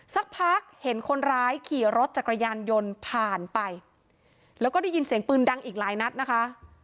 สักพักเห็นคนร้ายขี่รถจักรยานยนต์ผ่านไปแล้วก็ได้ยินเสียงปืนดังอีกหลายนัดนะคะ